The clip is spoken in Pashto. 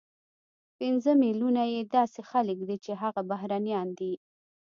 پنځه ملیونه یې داسې خلک دي چې هغه بهرنیان دي،